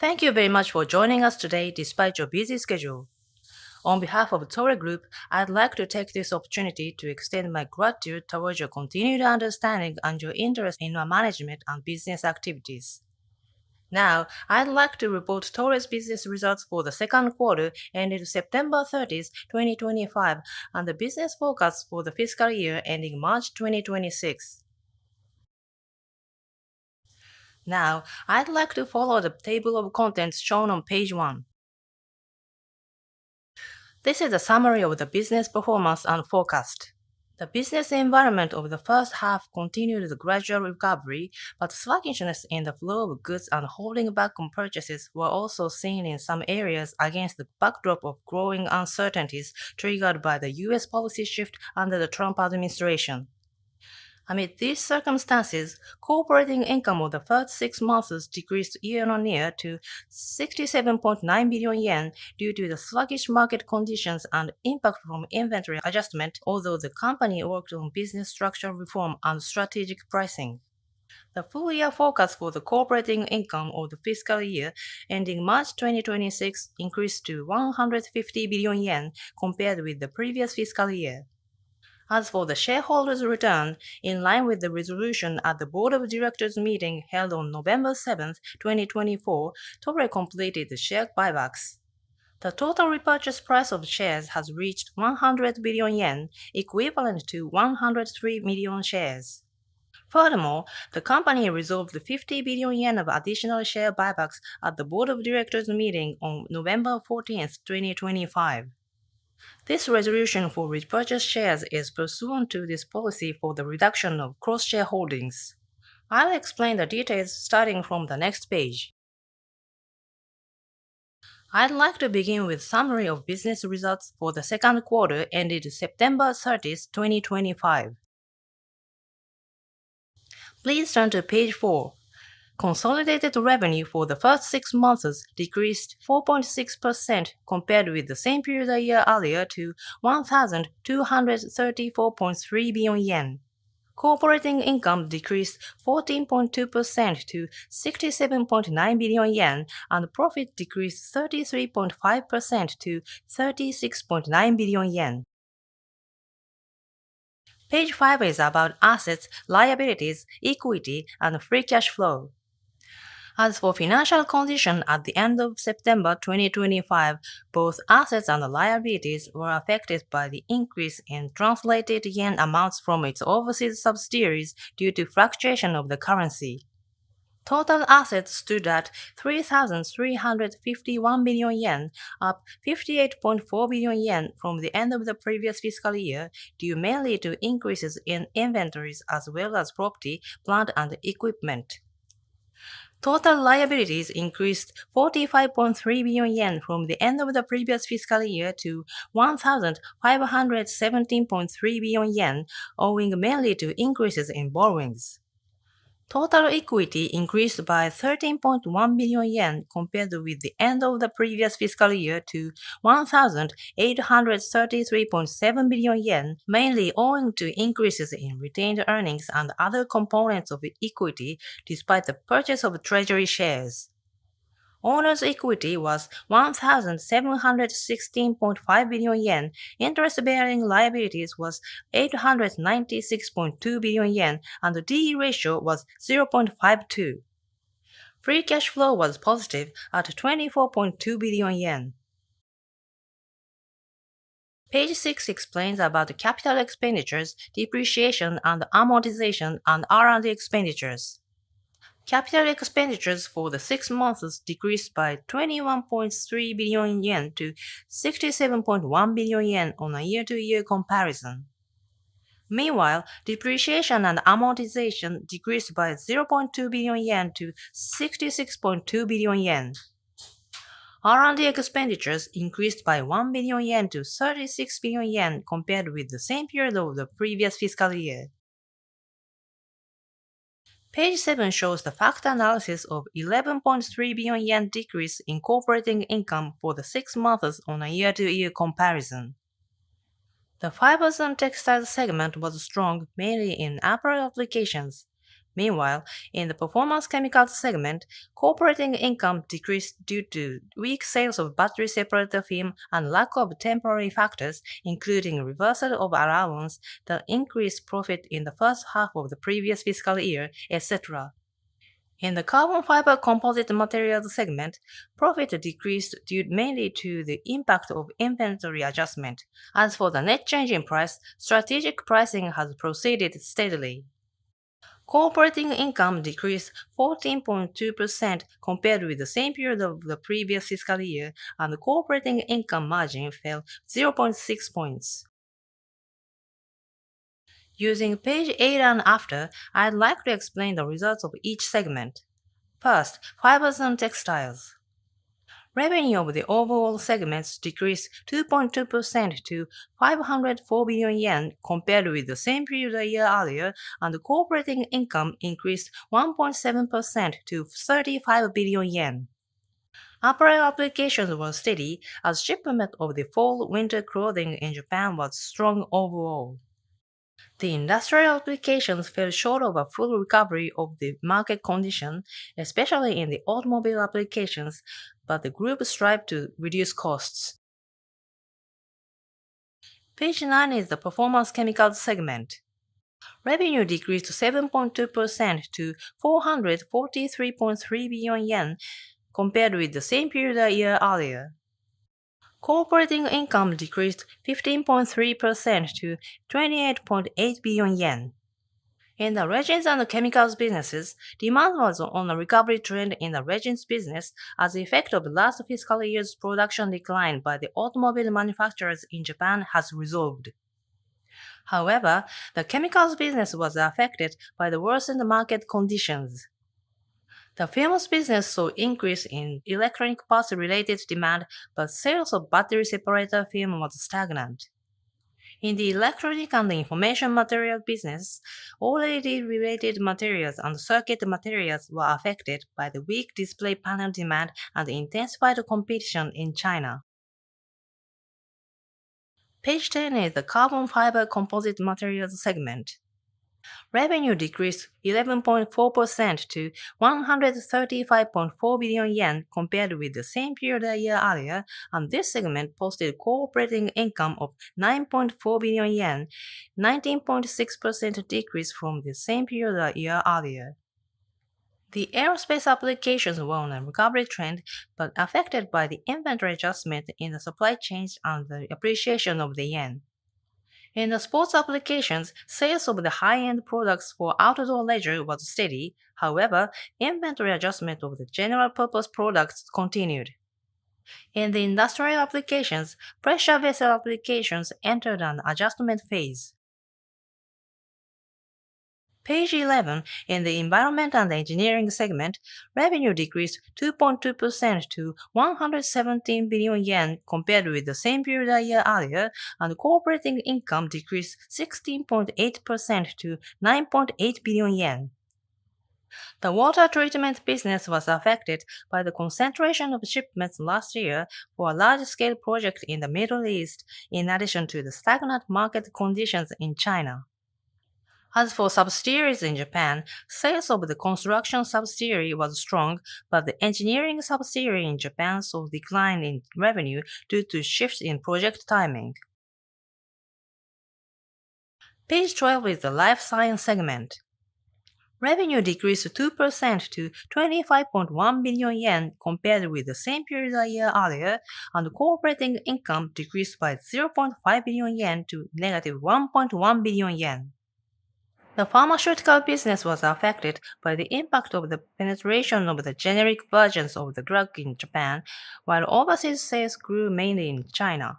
Thank you very much for joining us today despite your busy schedule. On behalf of Toray Group, I'd like to take this opportunity to extend my gratitude towards your continued understanding and your interest in our management and business activities. Now, I'd like to report Toray's business results for the second quarter ended September 30, 2025, and the business forecast for the fiscal year ending March 2026. Now, I'd like to follow the table of contents shown on page one. This is a summary of the business performance and forecast. The business environment of the first half continued the gradual recovery, but sluggishness in the flow of goods and holding back on purchases were also seen in some areas against the backdrop of growing uncertainties triggered by the U.S. policy shift under the Trump administration. Amid these circumstances, operating income of the first six months decreased year-on-year to 67.9 billion yen due to the sluggish market conditions and impact from inventory adjustment, although the company worked on business structure reform and strategic pricing. The full-year forecast for the operating income of the fiscal year ending March 2026 increased to 150 billion yen compared with the previous fiscal year. As for the shareholders' return, in line with the resolution at the Board of Directors meeting held on November 7, 2024, Toray completed the share buybacks. The total repurchase price of shares has reached 100 billion yen, equivalent to 103 million shares. Furthermore, the company resolved the 50 billion yen of additional share buybacks at the Board of Directors meeting on November 14, 2025. This resolution for repurchased shares is pursuant to this policy for the reduction of cross-shareholdings. I'll explain the details starting from the next page. I'd like to begin with a summary of business results for the second quarter ended September 30, 2025. Please turn to page four. Consolidated revenue for the first six months decreased 4.6% compared with the same period a year earlier to 1,234.3 billion yen. Operating income decreased 14.2% to 67.9 billion yen, and profit decreased 33.5% to 36.9 billion yen. Page five is about assets, liabilities, equity, and free cash flow. As for financial condition at the end of September 2025, both assets and liabilities were affected by the increase in translated yen amounts from its overseas subsidiaries due to fluctuation of the currency. Total assets stood at 3,351 billion yen, up 58.4 billion yen from the end of the previous fiscal year, due mainly to increases in inventories as well as property, plant, and equipment. Total liabilities increased 45.3 billion yen from the end of the previous fiscal year to 1,517.3 billion yen, owing mainly to increases in borrowings. Total equity increased by 13.1 billion yen compared with the end of the previous fiscal year to 1,833.7 billion yen, mainly owing to increases in retained earnings and other components of equity despite the purchase of treasury shares. Owner's equity was 1,716.5 billion yen, interest-bearing liabilities was 896.2 billion yen, and the D/E ratio was 0.52. Free cash flow was positive at 24.2 billion yen. Page six explains about capital expenditures, depreciation, and amortization, and R&D expenditures. Capital expenditures for the six months decreased by 21.3 billion yen to 67.1 billion yen on a year-to-year comparison. Meanwhile, depreciation and amortization decreased by 0.2 billion yen to 66.2 billion yen. R&D expenditures increased by 1 billion yen to 36 billion yen compared with the same period of the previous fiscal year. Page seven shows the fact analysis of 11.3 billion yen decrease in Core Operating income for the six months on a year-to-year comparison. The Fibers & Textiles segment was strong, mainly in apparel applications. Meanwhile, in the Performance Chemicals segment, Core Operating income decreased due to weak sales of battery separator film and lack of temporary factors, including reversal of allowance that increased profit in the first half of the previous fiscal year, etc. In the Carbon Fiber Composite Materials segment, profit decreased due mainly to the impact of inventory adjustment. As for the net change in price, strategic pricing has proceeded steadily. Cooperating income decreased 14.2% compared with the same period of the previous fiscal year, and the Core Operating income margin fell 2.6 points. Using page eight and after, I'd like to explain the results of each segment. First, fiber and textiles. Revenue of the overall segments decreased 2.2% to 504 billion yen compared with the same period a year earlier, and Core Operating Income increased 1.7% to 35 billion yen. Apparel applications were steady, as shipment of the fall winter clothing in Japan was strong overall. The industrial applications fell short of a full recovery of the market condition, especially in the automobile applications, but the group strived to reduce costs. Page nine is the Performance Chemicals segment. Revenue decreased 7.2% to 443.3 billion yen compared with the same period a year earlier. Cooperating income decreased 15.3% to 28.8 billion yen. In the regions and chemicals businesses, demand was on a recovery trend in the resins business, as the effect of last fiscal year's production decline by the automobile manufacturers in Japan has resolved. However, the chemicals business was affected by the worsened market conditions. The film business saw an increase in electronic parts-related demand, but sales of battery separator film were stagnant. In the electronic and information materials business, OLED-related materials and circuit materials were affected by the weak display panel demand and intensified competition in China. Page ten is the Carbon Fiber Composite Materials segment. Revenue decreased 11.4% to 135.4 billion yen compared with the same period a year earlier, and this segment posted operating income of 9.4 billion yen, a 19.6% decrease from the same period a year earlier. The aerospace applications were on a recovery trend, but affected by the inventory adjustment in the supply chain and the appreciation of the yen. In the sports applications, sales of the high-end products for outdoor leisure were steady; however, inventory adjustment of the general-purpose products continued. In the industrial applications, pressure vessel applications entered an adjustment phase. Page 11, in the Environment & Engineering segment, revenue decreased 2.2% to 117 billion yen compared with the same period a year earlier, and operating income decreased 16.8% to 9.8 billion yen. The water treatment business was affected by the concentration of shipments last year for a large-scale project in the Middle East, in addition to the stagnant market conditions in China. As for subsidiaries in Japan, sales of the construction subsidiary were strong, but the engineering subsidiary in Japan saw a decline in revenue due to shifts in project timing. Page 12 is the Life Science segment. Revenue decreased 2% to 25.1 billion yen compared with the same period a year earlier, and operating income decreased by 0.5 billion yen to 1.1 billion yen. The pharmaceutical business was affected by the impact of the penetration of the generic versions of the drug in Japan, while overseas sales grew mainly in China.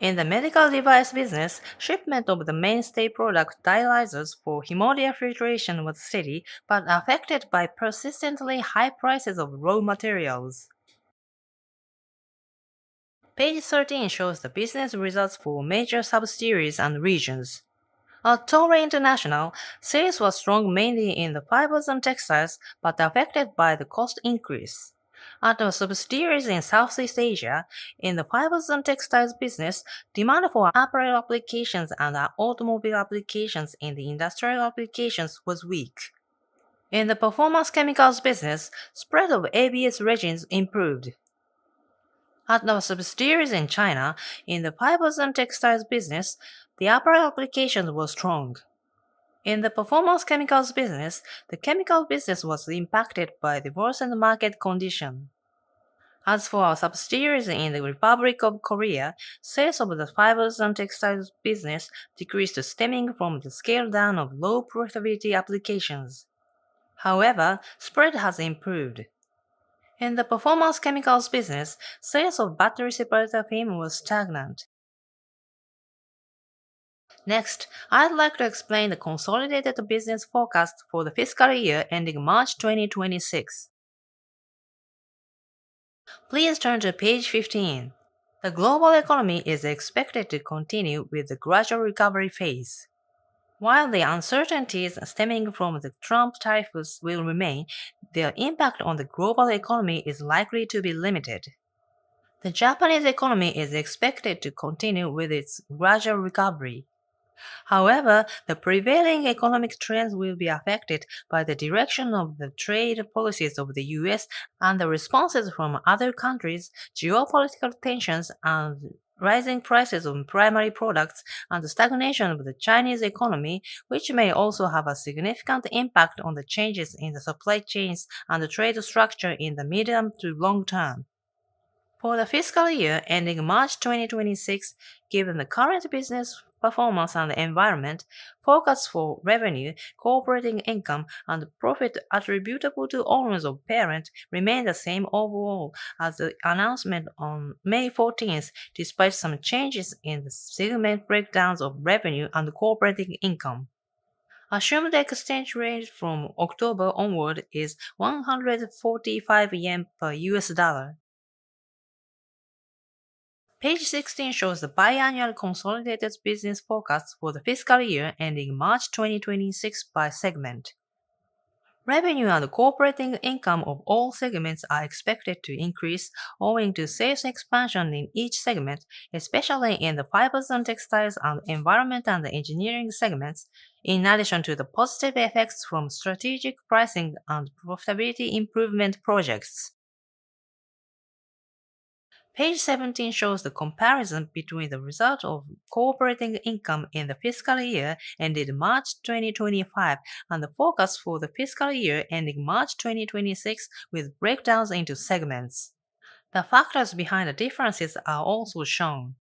In the medical device business, shipment of the mainstay product dialyzers for hemodiafiltration was steady, but affected by persistently high prices of raw materials. Page 13 shows the business results for major subsidiaries and regions. At Toray International, sales were strong mainly in the fibers and textiles, but affected by the cost increase. At the subsidiaries in Southeast Asia, in the fibers and textiles business, demand for apparel applications and automobile applications in the industrial applications was weak. In the performance chemicals business, spread of ABS resins improved. At the subsidiaries in China, in the fibers and textiles business, the apparel applications were strong. In the performance chemicals business, the chemical business was impacted by the worsened market condition. As for our subsidiaries in the Republic of Korea, sales of the fibers and textiles business decreased stemming from the scale-down of low-profitability applications. However, spread has improved. In the performance chemicals business, sales of battery separator film were stagnant. Next, I'd like to explain the consolidated business forecast for the fiscal year ending March 2026. Please turn to page 15. The global economy is expected to continue with the gradual recovery phase. While the uncertainties stemming from the Trump tariffs will remain, their impact on the global economy is likely to be limited. The Japanese economy is expected to continue with its gradual recovery. However, the prevailing economic trends will be affected by the direction of the trade policies of the U.S. and the responses from other countries, geopolitical tensions and rising prices of primary products, and the stagnation of the Chinese economy, which may also have a significant impact on the changes in the supply chains and the trade structure in the medium to long term. For the fiscal year ending March 2026, given the current business performance and the environment, forecasts for revenue, cooperating income, and profit attributable to owners of the parents remain the same overall as the announcement on May 14, despite some changes in the segment breakdowns of revenue and cooperating income. Assumed exchange rate from October onward is 145 yen per U.S. dollar. Page 16 shows the bi-annual consolidated business forecast for the fiscal year ending March 2026 by segment. Revenue and cooperating income of all segments are expected to increase, owing to sales expansion in each segment, especially in the fibers and textiles and environment and engineering segments, in addition to the positive effects from strategic pricing and profitability improvement projects. Page 17 shows the comparison between the result of cooperating income in the fiscal year ended March 2025 and the forecast for the fiscal year ending March 2026 with breakdowns into segments. The factors behind the differences are also shown.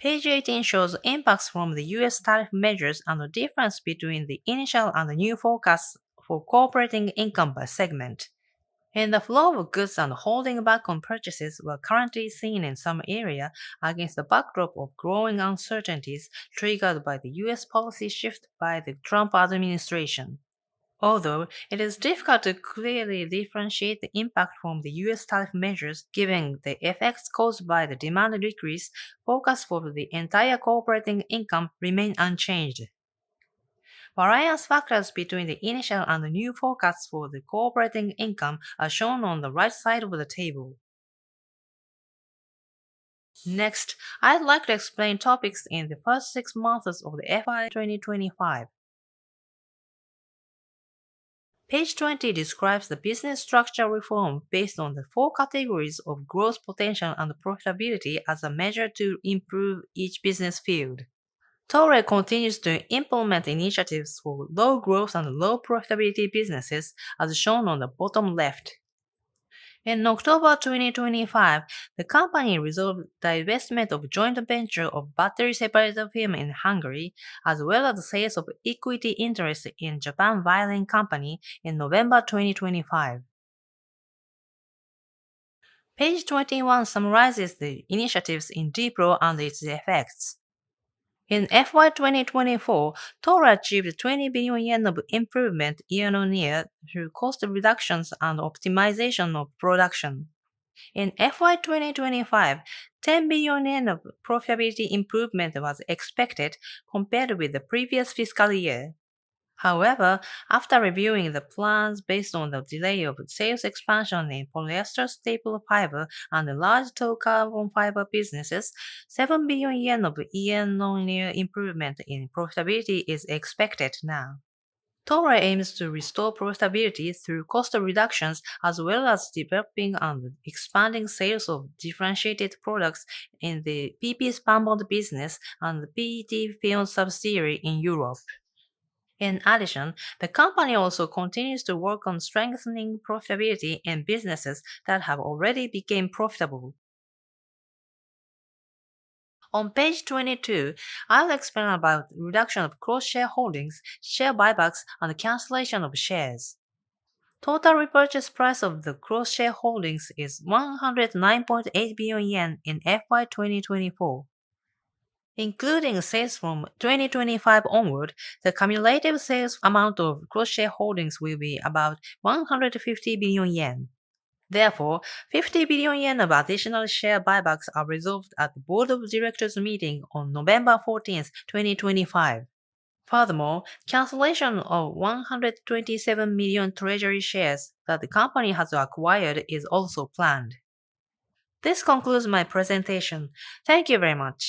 Page 18 shows impacts from the U.S. tariff measures and the difference between the initial and the new forecasts for cooperating income by segment. In the flow of goods and holding back on purchases were currently seen in some areas against the backdrop of growing uncertainties triggered by the U.S. policy shift by the Trump administration. Although it is difficult to clearly differentiate the impact from the U.S. tariff measures given the effects caused by the demand decrease, forecasts for the entire cooperating income remain unchanged. Various factors between the initial and the new forecasts for the cooperating income are shown on the right side of the table. Next, I'd like to explain topics in the first six months of the FY 2025. Page 20 describes the business structure reform based on the four categories of growth potential and profitability as a measure to improve each business field. Toray continues to implement initiatives for low-growth and low-profitability businesses, as shown on the bottom left. In October 2025, the company resolved the divestment of joint venture of battery separator film in Hungary, as well as the sales of equity interest in Japan Vilene Company in November 2025. Page 21 summarizes the initiatives in DPRO and its effects. In FY 2024, Toray achieved 20 billion yen of improvement year-on-year through cost reductions and optimization of production. In FY 2025, 10 billion yen of profitability improvement was expected compared with the previous fiscal year. However, after reviewing the plans based on the delay of sales expansion in polyester staple fiber and large-tow carbon fiber businesses, 7 billion yen of year-on-year improvement in profitability is expected now. Toray aims to restore profitability through cost reductions, as well as developing and expanding sales of differentiated products in the PP spunbond business and the PET film subsidiary in Europe. In addition, the company also continues to work on strengthening profitability in businesses that have already become profitable. On page twenty-two, I'll explain about the reduction of cross-share holdings, share buybacks, and the cancellation of shares. Total repurchase price of the cross-share holdings is 109.8 billion yen in FY 2024. Including sales from 2025 onward, the cumulative sales amount of cross-share holdings will be about 150 billion yen. Therefore, 50 billion yen of additional share buybacks are resolved at the board of directors meeting on November 14, 2025. Furthermore, cancellation of 127 million treasury shares that the company has acquired is also planned. This concludes my presentation. Thank you very much.